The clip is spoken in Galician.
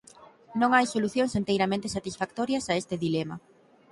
Non hai solucións enteiramente satisfactorias a este dilema.